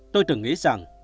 tôi từng nghĩ rằng